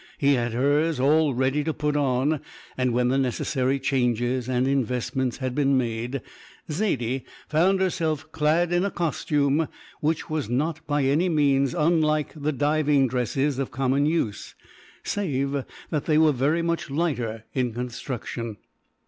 He had hers all ready to put on, and when the necessary changes and investments had been made, Zaidie found herself clad in a costume which was not by any means unlike the diving dresses of common use, save that they were very much lighter in construction.